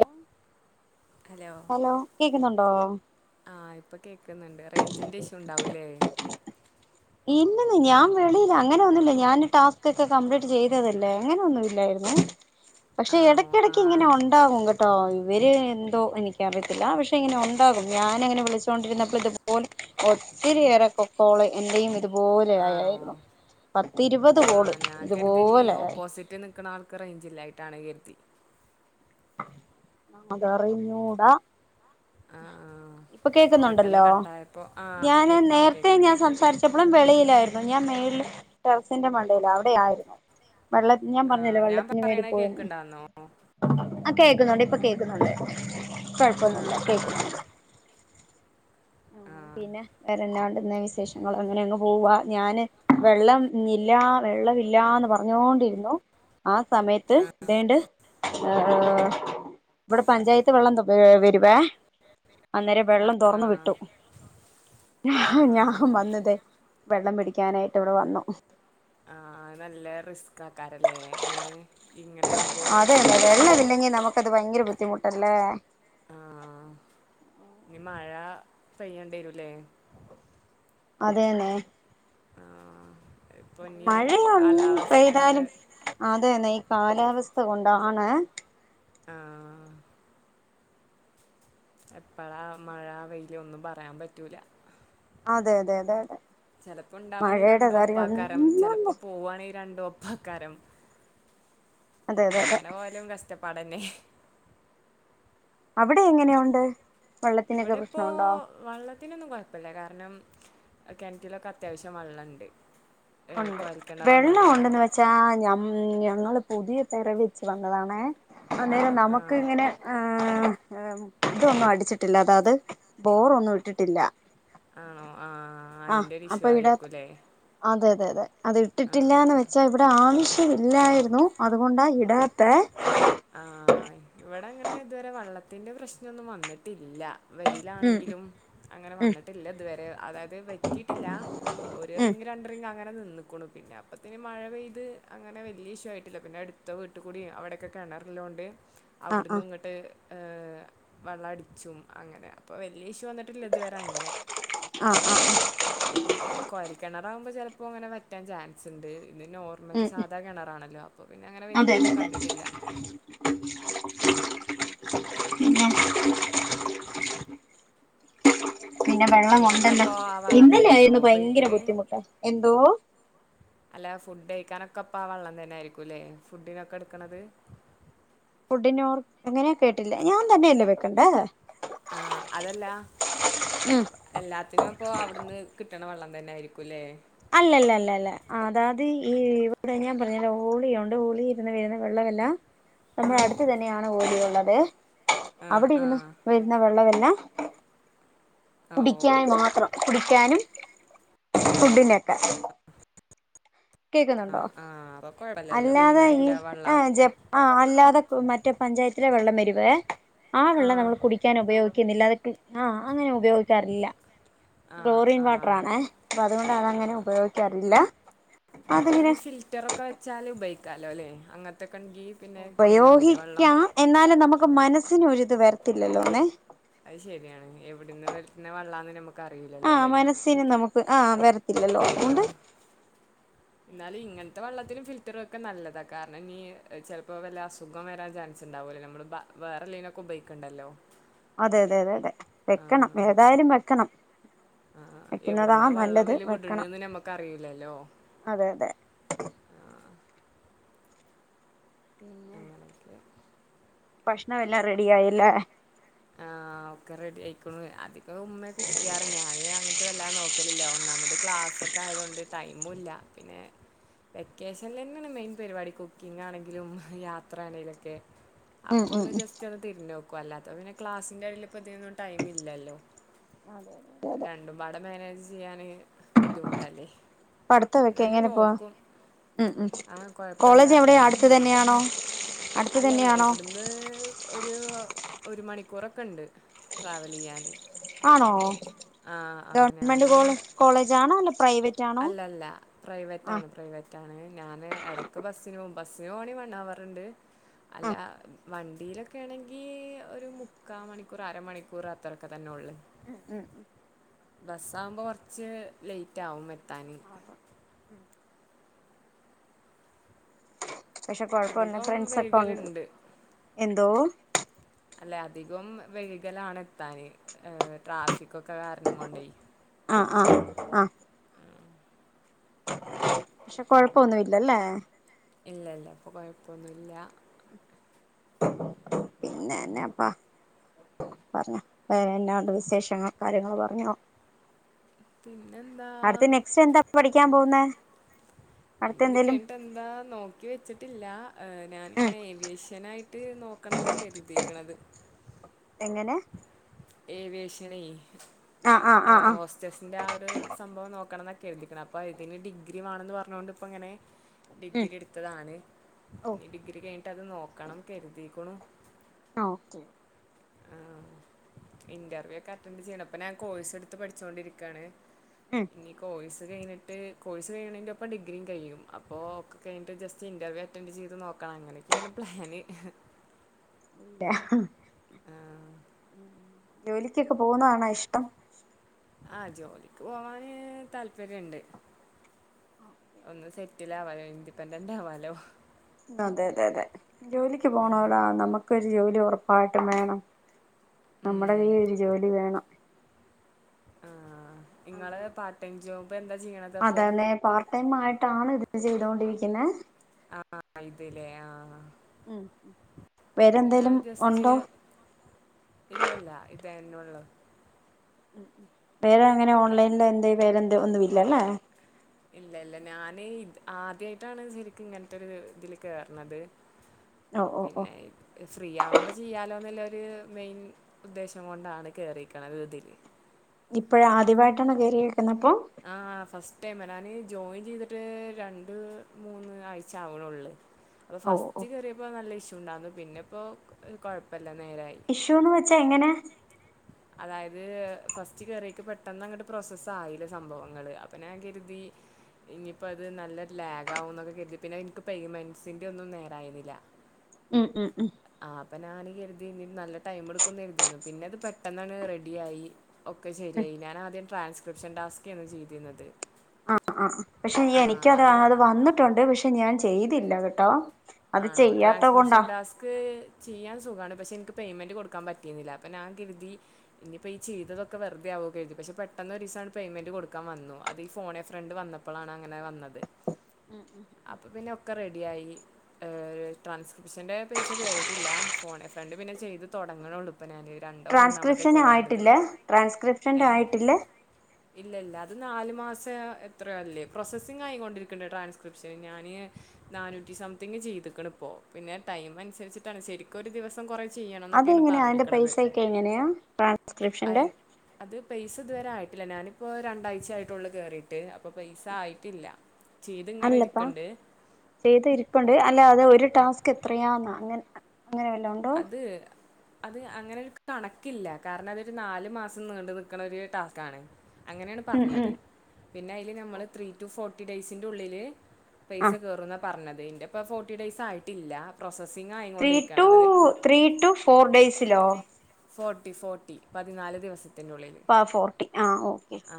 [unintelligible] Hello കേക്കുന്നുണ്ടോ ആ ഇപ്പ കേക്ക്ന്ന്ണ്ട് റേഞ്ചിന്റെ ഇഷ്യൂ ഉണ്ടാവുലേ? ഇല്ലന്നേ ഞാൻ വെളിയിലാ അങ്ങനെ ഒന്നുല്ല ഞാൻ ടാസ്ക് ഒക്കെ കംപ്ലീറ്റ് ചെയ്തതല്ലേ അങ്ങനെ ഒന്നുല്ലായിരുന്നു. പക്ഷെ ആണോ ആ എടയ്ക്കെടക്ക് ഇങ്ങനെ ഉണ്ടാകും കേട്ടോ ഇവര് എന്തോ എനിക്കറിയത്തില്ല പക്ഷെ ഇങ്ങനെ ഉണ്ടാകും ഞാനങ്ങനെ വിളിച്ചൊണ്ടിരുന്നപ്പോ ഇതുപോലെ ഒ ത്തിരി പേരൊക്കെ കോളി എന്റെയും ഇതുപോലെ ആണോ ആയായിരുന്നു പത്തിരുവത് ആ കോള് ഇത്പോലെ ആയി. ഇക്ക് റേഞ്ചില്ലായിട്ടാണ് കര്തി. ണാ അതറിഞ്ഞൂടാ ആ ആ. ഇപ്പൊ പെട്ടെന്ന് കേൾക്കുന്നുണ്ടല്ലോ കട്ടായപ്പോൾ ആ ഞാന് കേൾക്കുന്നുണ്ട് നേര്ത്തെ ഞാൻ കേൾക്കുന്നുണ്ട് സംസാരിച്ചപ്പോളും വെളിയിലാരു മം ഞാൻ മേൽ ടെറസിന്റെ മണ്ടേല അവിടെ ആയിരുന്നു. വെള്ളത്തി ഞാൻ ആ പറഞ്ഞല്ലോ ഞാൻ വെള്ളത്തിന് പറയണത് വേണ്ടിപോയിന്ന് കേൾക്കുന്നുണ്ടാന്നോ ആ കേക്കുന്നുണ്ട് ഇപ്പൊ കേൾക്കുന്നുണ്ട് ആ കുഴപ്പൊന്നുമില്ല ആ ആ കേൾക്കുന്നുണ്ട്. ആ പിന്നെ വേറെ എന്ന ഉണ്ടെന്ന് വിശേഷങ്ങൾ അങ്ങനെ അങ്ങ്? പോവാ ഞാന് വെള്ളം ഇല്ല വെള്ളല്ലാന്ന് പറഞ്ഞോണ്ടിരുന്നു. ആ സമയത്ത് ഇതണ്ട് ആഹ് ഇവിടെ പഞ്ചായത്ത് വെള്ളം വരുവേ അന്നേരം ആ വെള്ളം ആ തുറന്ന വി ട്ടു. ആ ഞാൻ ആണോ വന്നതേ വെള്ളം പിടിക്കാനായിട്ട് ഇവിടെ വന്നു. ആ നല്ല റിസ്ക് ആക്കാറല്ലേ ഇങ്ങനെ ഇങ്ങനെ ആവുമ്പോൾ അതെയെ അത വെള്ളം ഇല്ലെങ്കി നമുക്കത് ഭയങ്കര ബുദ്ധിമുട്ടല്ലേ. ആ ഇനി മഴ പെയ്യേണ്ടി വരൂല്ലേ? അതെന്നെ. ആഹ. മഴയ ഉണ്ട് പെയ്താലും അതെ നെയ കാലാവസ്ഥ കൊണ്ടാണ് ആഹ എപ്പഴാ മഴ വെയില ഒന്നും പറയാൻ പറ്റൂല. അതെ അതെ അതെ അതെ ചിലപ്പോ ഉണ്ടാവവാണെങ്ക മഴയുടെ രണ്ടും കാര്യം ഒപ്പക്കാരം ഒന്നുംല്ല ചെലപ്പോ പോവുകവാണെങ്ക രണ്ടും ഒപ്പ ക്കാരം അതെ അതെ അതെ എങ്ങനെ പോലും കഷ്ട പാടെനെ അവിടെ എങ്ങനെയുണ്ട്? വെള്ളത്തിനൊക്കെ ഇവിടെ ഇപ്പോ പ്രശ്നമുണ്ടോ വള്ളത്തിനൊന്നും കുഴപ്പല്ല്യ കാരണം കിണറ്റിലൊക്കെ അത്യാവശ്യം വള്ളണ്ട്. ഉണ്ട് വെള്ളം ഉണ്ടന്ന് വെച്ചാ ഞ ഞങ്ങള് പുതിയ പെര വെച്ച് വന്നതാണ ആ അന്നേരം ആ നമുക്ക് ഇങ്ങനെ ആഹ് ഏ മുറ്റം ഒന്നും അടിച്ചിട്ടില്ല അതത് ബോറൊന്നും ഇട്ടിട്ടില്ല. ആണോ? ആ ആഹ് അയിൻ്റെ ഒരു അപ്പൊ ഇഷ്യൂ ഇവിട ആയിരിക്കുംല്ലേ അതെ അതെ അതെ അത് ഇട്ടിട്ടില്ലന്ന് ആ വെച്ചാ ഇവിടെ ആവശ്യം ഇല്ലായിരുന്നു അതുകൊണ്ടാ ഇടാത്തെ ആഹ ഇവിടെ അങ്ങനെ ഇതുവരെ വള്ളത്തിന്റെ പ്രശ്നന്നും വന്നിട്ടില്ല. ഉം വെയിലാണെങ്കിലും അങ്ങനെ ഉം വന്നിട്ടില്ല ഇതുവരെ അതായത് വറ്റിയിട്ടില്ല ഒരു റി ഉം രണ്ടറിങ് അങ്ങനെ നിന്ന് [unintelligible] പിന്നപ്പോത്തിനും മഴ പെയ്തു അങ്ങനെ വലിയ ഇഷ്യൂ ആയിട്ടില്ല പിന്നെ അടുത്ത വീട്ടിൽ കൂടി അവിടെക്കെ കിണറില്ലോണ്ട് ആഹ് അവിടന്ന് ആഹ് ഇങ്ങോട്ട് ഏ വള്ളംടിച്ചും അങ്ങനെ അപ്പോൾ വലിയ ഇഷ [unintelligible] ഇതുവരെ അങ്ങനെ ആഹ് ആഹ് പിന്നെ ക്കോയൽ കിണറകുമ്പോ ചെല പ്പോ അങ്ങനെ വറ്റാൻ ചാൻസ് ഉണ്ട് പിന്നെ നോർമൽ ഉം സാധാ കിണറാണല്ലോ അപ്പോൾ പിന്നെ അങ്ങനെ അതെ അതെ വറ്റണെ അതെ കണ്ടിട്ടില്ല. [unintelligible] [unintelligible] പിന്നെ വെള്ളം കൊണ്ട കുക്കിങ്ങിനൊക്കെ ഇപ്പോ ആ [unintelligible] വെള്ളം തന്നെയാണോ ഇന്നലൊയിരുന്നു ഭയങ്കര ഉപയോഗിക്കല് ബുദ്ധിമുട്ട് എന്തോ അല്ല ഫുഡ് കഴിക്കാനൊക്കെപ്പ ആ വെള്ളം തന്നെ ആയിരിക്കുംലേ ഫുഡിനൊക്കെ എടുക്കണത്. ഫുഡിനോർ എങ്ങനെയ കേട്ടില്ലേ ഞാൻ തന്നെയല്ലേ വെക്കണ്ടേയ് ആഹ അതല്ല ഉം എല്ലാത്തിനും അപ്പൊ അവിടുന്ന് കിട്ട [unintelligible] വെള്ളം തന്നെ ആരിക്കുംല്ലേ അല്ലലല്ലല്ലല്ലാ അതാത് ഈ ഇവിടെ ഞാൻ പറഞ്ഞ തരാം ഓളിയുണ്ട് ഒളി ഇരുന്ന് വരുന്ന വെള്ളം അല്ലാ ആ നമ്മുടെ അടുത്ത് തന്നെയാണ് ഓലിയുള്ളത് ആ അവിടെ ഇരുന്ന് ആ വരുന്ന വെള്ളമെല്ലാം [unintelligible] ഓ കുടിക്കാൻ മാത്രം.... കുടിക്കാനും ഫുഡിനെക്കെ ആഹ ആഹ്. അല്ലാതെ ഈ ആ ജ ആ അല്ലാതെ മറ്റേ പഞ്ചായത്തി ല്ല വെള്ളംവെരുവ് ആ വെള്ളം നമ്മള് കുടിക്കാന് ഉപയോഗിക്കുന്നില്ല അത് ആഹ് അങ്ങനെ ഉപയോഗിക്കാറില്ല ആ ഗ്ലോറിയൻ ആ വാട്ടറാണെ അപ്പൊ അതുകൊണ്ട് അതങ്ങനെ ഉപയോഗിക്കാറില്ല. പിന്നെ അതിങ്ങനെ ഇനി ഫിൽറ്ററൊക്കെ വെച്ചാല് ഉപയോഗിക്കാലോലേ അങ്ങത്തെ ഉപയോഗിക്കാം എന്നാലും നമുക്ക് മനസ്സിന് ഒരിത് വരത്തില്ലല്ലോന്നെ. അഹ് ശരിയാണ് എവിടന്ന് വരുന്ന വെള്ളാന്ന് നമ്മക്ക് ആ അറിയില്ലല്ലോലെ മനസ്സിന് നമുക്ക് ആ വരത്തില്ലല്ലോ അതുകൊണ്ട് ആഹ് ന്നാലും ഇങ്ങൻ തെ വെള്ളത്തിനും ഫിൽറ്ററും ഒക്കെ നല്ലതാ. കാരണം ഇനി എഹ് ചിലപ്പോ വല്ല അസുഖം വരാൻ ചാൻസ് ഉണ്ടാവൊല്ലൊല്ലേ നമ്മുള് ബ വേറെ ലൈനൊക്കെ ഉബൈക്കണ്ടല്ലോ അതെ അതെ അതെ അതെ വെക്കണം ഏതായാലും വെക്കണം. ആഹ് ആഹ് വെക്കുന്നതാ എവിടുന്നാ വള്ളം നല്ലത് വല് വെക്കണം വിട്ണെന്ന് നമ്മക്ക് അറിയൂലല്ലോ അതെ അതെ പിന്നെ അങ്ങനക്കെ ഭക്ഷണം എല്ലാം റെഡി ആയില്ലെ ആഹ് ഒക്കെ റെഡി ആയിക്കുണു. അതിക ഉമ്മ കുക്ക്യ്യാറ് ഞാന് അങ്ങ ട്ട് വെല്ലാ നോക്കലില്ല. ഒന്നാമത് ക്ലാസ്സൊക്കെ ആയതൊണ്ട് ടൈമുല്ല. പിന്നെ വെക്കേഷനിലെന്നെണ് മെയിൻ പരിപാടി കുക്കിം ആണെങ്കിലും യാത്ര ആണെലൊക്കെ ഉം ഉം അപ്പൊന്ന് ജസ്റ്റ്ന്ന് തിരിഞ്ഞോക്കു അല്ലാത്തപ്പൊ പിന്നെ ക്ലാസിന്റെട്ല് പ്പതിന്നും ടൈമ് ഇില്ലല്ലോ. അതെ അതെ അതെ അതെ രണ്ടും പാടെ മാനേജ് ചെയ്യാന് ബുദ്ധിമുട്ടല്ലേ പഠിത്തമൊക്കെ ന്നാലും എങ്ങനെ പോവാ നോക്കും ഉം ഉം ആ കുഴപ്പമില്ല കോളേജ് എവിടെയോ അങ്ങനെ അട്ത്ത് പോണ്ട് തന്നെയാണോ അടുത്ത് അല്ലല്ല തന്നെയാണോ ഇവിട്ന്ന് ഒരു ഒരു മണിക്കൂറൊക്കെണ്ട് ട്രാവലെയ്യാന് ആണോ ഞാൻ ഗവൺമെന്റ് കോളേ കോളേജാണോ അല്ല പ്രൈവ അല്ലല്ല പ്രൈവറ്റാണ് പ്രൈവറ്റാണ് ഞാന് എടക്ക് ബസിന് ബസിന് പോണ വൺവർ ഉണ്ട് അല്ല ആഹ് വണ്ടിയിലൊക്കെണെങ്കി ഒരു മുക്കാ മണിക്കൂർ അരമണിക്കൂർ അത്രൊക്കെ തന്നെള്ളു ഉം ഉം ഉം ബസ്സാവുമ്പോ കുറച്ച് ലേറ്റ് ആവും മെ താന് ആകാം ഉം പക്ഷെ കൊഴപ്പൊണ്ണ് അധികം ഫ്രണ്ട്സൊക്കെ ഒണ്ട് വൈകലുണ്ട് എന്തോ അല്ലെ അധികം വൈികലാണത്താന് ഏഹ് ട്രാഫിക്കൊക്കെ കാരണം കൊണ്ടേ ആഹ് ആഹ് ആഹ് പക്ഷെ കൊഴപ്പൊന്നുല്ലല്ലേ ഇല്ലല്ല ഇപ്പൊ കുഴപ്പൊന്നുല്ല പിന്നെന്നാപ്പാ പറഞ്ഞോ വേറെന്നാണ്ട് വിശേഷങ്ങൾ കാര്യങ്ങള് പറഞ്ഞോ പിന്നെന്താ അടുത്ത് നെക്സ്റ്റ് എന്താ പഠിക്കാൻ പോകുന്നേ ഇനി അടുത്ത് ഇത് എന്തേലും കേഞ്ഞിട്ടെന്താ നോക്കി വെച്ചിട്ടില്ല ഉം ഞാനിങ്ങനെ ഏവിയേഷനായി ട്ട് നോക്കണം എന്നൊകെയാ കരുതിക്കണത് എങ്ങനെ ഏവിയേഷനെ ആഹ് ആഹ് ആഹ് എയർ ആഹ് ഹോസ്റ്റസിന്റെ ആ ഒരു സംഭവം നോക്കണന്ന കരുതിക്കണം അപ്പൊ ഇതിന് ഡിഗ്രി വേണംന്ന് പറഞ്ഞോണ്ട് ഇപ്പിങ്ങനെ ഉം ഡിഗ്രി എട്ത്തതാണ് ഓഹ് ഇനി ഡിഗ്രി കഴിഞ്ഞിട്ട് അത് നോക്കണം കരുതിക്കുണു ആഹ് ഓക്കെ ആ ഇന്റർവ്യൂ ഒക്കെ അറ്റൻഡ് ചെയ്യണം പ്പൊ ഞാൻ കോഴ്സ് എടുത്ത് പഠിച്ചൊണ്ടിരിക്കാണ് ഉം ഇനി കോഴ്സ് കഴിഞ്ഞിട്ട് കോഴ്സ് കഴിയേണപ്പം ഡിഗ്രിം കയ്യും അപ്പോ ഒക്കെ കഴിഞ്ഞിട്ട് ജസ്റ്റ് ഇന്റർവ്യു അറ്റൻ്റ് ചെയ്ത് നോ അങ്ങനെക്കേണ് പ്ലാന് ട്ടെയാ ഹ് ആഹ് ജോലിക്കൊക്കെ പോന്നതണോ ഇഷ്ടം ആഹ് ജോലിക്ക് പോവാന് താല്പര്യണ്ട് ഒന്ന് സെറ്റിൽ ആവാലോ ഇൻഡിപെൻഡന്റ് ആവാലോ അതെ അതെ ക്കൊരു ജോലി ഉറപ്പായിട്ടും വേണം നമ്മുടെ ഉം. കയ്യി ഒരു ജോലി വേണം ആഹ് ഇങ്ങള് പാർടൈംജോബ് എന്താ ചെയ്യണത്പ്പൊ ട്ടൈംമായിണ് ഇത് ചെയ്തോണ്ടിരിക്കുന്നെ ആഹ് ആഹ് ഇത്ല്ലേ ആഹ് ഉം വേറെന്തേലും ജസ്റ്റ് ഉണ്ടോ തെരുന്നുള്ളു വേറെ എങ്ങനെയാ ഓൺലൈനില് എന്തേ വേറെന്തേ ഒന്നും ഇല്ലല്ലേ ഇല്ല ഇല്ല ഞാന് ഇത ആദ്യായിട്ടാണ് ശരിക്കും ഇങ്ങനത്തൊരു ഇതില് കേറണത് ഓ ഓ ഓ പിന്നെ ഫ്രീ ആവുമ്പോ ചെയ്യാലോന്നുള്ള മെയിൻ ഉദ്ദേശം കൊണ്ടാണ് കേറിക്കണത് ഇതില് ഇപ്പഴ് ആദ്യവായിട്ടാണ് കേറിയേക്കുന്നപ്പൊ [unintelligible] ഞാന് ജോയിൻ ചെയ്തിട്ട് രണ്ട് മൂന്ന് ആഴ്ച ആവണള്ളൂ അപ്പൊ ഓ ഓ ഫസ്റ്റ് കേറിയപ്പോ നല്ല ഇഷ്യുണ്ടായിരുന്നു പിന്നെ ഇപ്പോ ക് കൊഴപ്പ ഇഷ്യൂന്ന് വെച്ചാ എങ്ങനാ? അതായത് ഫസ്റ്റ് കയറീറ്റ് പെട്ടെന്ന് അങ്ങോട്ട് പ്രൊസസ്സ് ആയില്ല സംഭവങ്ങള് അപ്പ ഞാൻ കരുതി ഇനിയിപ്പോ അത് നല്ല ഒര് ലാഗാവുന്നൊക്കെ കരുതി പിന്നെ എനിക്ക് പേയ്മെൻസിന്റെ ഒന്നും നേരായിരുന്നില്ല ഉം ഉം ഉം അപ്പൊ ഞാന് കരുതി ഇനി നല്ല ടൈം എടുക്കൂന്ന് കരുതിയിരുന്നു പിന്നെ അത് പെട്ടെന്നാണ് റെഡിയായി ഒക്കെ ശരി യായി ഞാനാദ്യം ട്രാൻസ്ക്രിപ്ഷൻ ടാസ്ക് ഏന് ചെയ്തിരുന്നത്. ആഹ് ആഹ് പക്ഷെ ആ എനിക്കത് മാ അത് വന്നിട്ടുണ്ട് പക്ഷെ ഞാൻ ചെയ്തില്ല കേട്ടോ അത് ആണോ ചെയ്യാത്ത കൊണ്ടാ ട്രാൻസ്ക്രിപ്ഷൻ ടാസ്ക് ചെയ്യാൻ സുഖാണ് പക്ഷെ എനിക്ക് പേയ്മെന്റ് കൊടുക്കൻ പറ്റുന്നില്ല അപ്പ ഞാൻ കരുതി ഇനിപ്പോം ഈ ചെയതൊക്കെ വെറുതെ ആ പക്ഷെ പെട്ടെന്നൊരീസം ആട് പേയ്മെന്റ് കൊടുക്കാൻ വന്നു അത് ഈ ഫോണെ ഫ്രണ്ട് വന്നപ്പളാണ് അങ്ങനെ വന്നത് അപ്പൊ പിന്നെ ഒക്കെ റെഡിയായി ഏഹ് ട്രാൻസ്ക്രിപ്ഷന്റെ പൈസ കേറിയിട്ടില്ല ഫോണെ ഫ്രണ്ട് പിന്നെ ചെയ്ത് തൊടങ്ങണേ ഉള്ളൂ ഇപ്പൊ ഞാന് ട്രാൻസ്ക്രിപ്ഷൻ ആയിട്ടില്ലേ? ട്രാൻസ്ക്രിപ്ഷൻ്റെ ഏ ആയിട്ടില്ലേ? ഇല്ല ഇല്ല അത് നാല് മാസം എത്രയോ അല്ലേ പ്രോസസ്സിംഗായി കൊണ്ടിരിക്കുന്നുണ്ട് ട്രാൻസ്ക്രിപ്ഷൻ ഞാന് നാനൂറ്റി സംതിങ്ങ് ചെയ്തുക്കണ് ഇപ്പോ പിന്നെ ടൈം അനുസരിച്ചിട്ടാണ് ശരിക്കും ഒരു ദിവസം കൊറെ അതെങ്ങനെയാ അതിന്റെ പൈസയൊക്കെ എങ്ങനെയാ ട്രാൻസ്ക്രിപ്ഷന്റെ? അയൻ അത് പൈസ ഇതുവരെ ആയിട്ടില്ല ഞാനിപ്പോ രണ്ടാഴ്ച ആയിട്ടുള്ളൂ കേറിയിട്ട് അപ്പൊ പൈസ ആയിറ്റില്ല ചെയ്ത് ഇങ്ങനെ ഇരിക്കണ്ട് ഇപ്പണ്ട് അല്ല അത് ഒരു ടാസ്ക് എത്രയാന്നാ അങ്ങൻ അങ്ങനെ വല്ലോ ഉണ്ടോ? അത് അത് അങ്ങനെ ഒരു കണക്കില്ല കാരണം അതൊരു നാല് മാസം നീണ്ട നിൽക്കണ ഒരു ടാസ്കാണ്. അങ്ങനെയാണ് ഉം ഉം പറഞ്ഞത്. പിന്നെ അതില് നമ്മള് ത്രീ ടു ഫോർട്ടി ഡെയയ്സിന്റെ ഉള്ളില് ആ പൈസ കേറൂംന്നാ പറഞ്ഞത് ഇതിന്റെപ്പ ഫോർട്ടി ഡെയയ്സ് ആയിട്ടില്ല പ്രോസ three to three to four ഡേയ്സിലോ ഫോർട്ടി ഫോർട്ടി പതിനാല് ദിവസത്തി ആ ഫോർട്ടി ആ ഓക്കെ ആ.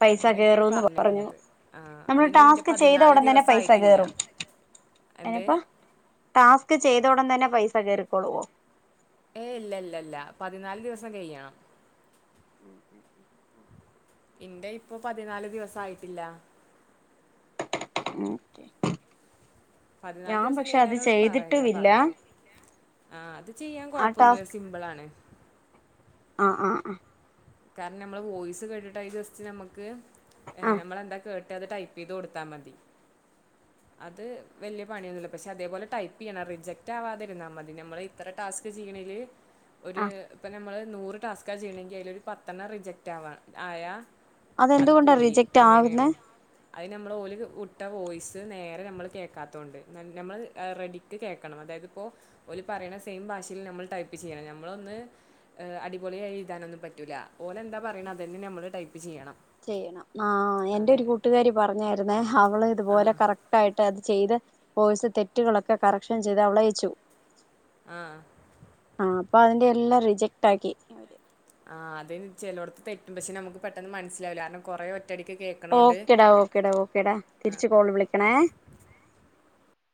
പൈസ അങ്ങനെയൊക്കെയാണ് കേറൂന്ന് പറഞ്ഞു പറഞ്ഞിക്കണത് ആ നമ്മള് അതിനിന്റെ ടാസ്ക് പതിനാല് ദിവസയിട്ടില്ല ഇനിപ്പ ടാസ്ക് ചെയ്തോട തന്നെ പൈസ കേറിക്കോളുവോ ഏ ഇല്ല ഇല്ല ഇല്ല പതിനാല് ദിവസം കഴ്യണം ഉം ഉം ഉം ഉ എന്റെ ഇപ്പൊ പതിനാല് ദിവസം ആയിട്ടില്ല ഓക്കെ പതിനാല് ഞാൻ ദിവസം പക്ഷെ അത് കഴിഞ്ഞാല ഉള്ള പറയാ ചെയ്തിട്ടുമില്ല പറഞ്ഞു ആഹ അത് ചെയ്യാൻ ആ കൊഴപ്പൊന്നല്ല സിംമ്പിൾ ആണ് ആഹ ആഹ ആഹ. കാരണം നമ്മള് വോയിസ് കേട്ടിട്ടായി ജസ്റ്റ് നമുക്ക് ആഹ് നമ്മളെന്താ കേ മറ്റത് ടൈപ്പ് ചെയ്ത് കൊടുത്താ മതി. അത് വലിയ പണിയൊന്നുമല്ല പക്ഷെ അതേപോലെ ടൈപ്പ് ചെയ്യണം റിജക്റ്റ് ആവാതിരിന്നാ മതി നമ്മൾ ഇത്ര ടാസ്ക് ചെയിണീ ല്. ഒരു ആഹ് ഇപ്പൊ നമ്മള് നൂറ് ടാസ്ക ചെയ്യണെങ്കിൽ അതില് ഒരു പത്തെണ്ണം റിജക്ട് ആവാ ആയാ. അതെന്തുകൊണ്ടാ റിജക്ട് ആവുന്നെ. അത് നമ്മൾ ഓല് വിട്ട വോയിസ് നേരെ നമ്മൾ കേൾക്കാത്തുകൊണ്ട് നമ്മൾ റെഡിക്ക് കേൾക്കണം. അതായത് ഇപ്പോ ഓല് പറിണ സെയിം ഭാഷീല് നമ്മൾ ടൈപ്പ് ചെയ്യണം നമ്മളൊന്ന് അടിപൊളായിഎയ് താനൊന്നും പറ്റൂല് ഓലെന്താ പറിണ് തന്നെ നമ്മള് ടൈപ് ചെയ്യണം ആ എന്റെ അതെ ഒരു കൂട്ടുകാരി പറഞ്ഞായിരുന്നേ അവള് ആ ഇതുപോലെ കറക്റ്റ് ആയിട്ട് അത് ചെയ്ത് ഓയിസ് തെറ്റുകളൊക്കെ കറക്ഷൻ ചെയ്ത് അവളയിച്ചു. ആഹ. അപ്പൊ അതിന്റെ എല്ലാം റിജക്ട് ആക്കി അവര്. ആഹ് അതയ്ന് ചെലോടത്ത് തെറ്റുണ്ട് പക്ഷെ നമുക്ക് പെട്ടെന്ന് മനസ്സിലാവില്ല കാരണം കുറെ ഓക്കെടാ ഓക്കെടാ ഓക്കെടാ തിരിച്ച്ു കോള് വിളിക്കണേ.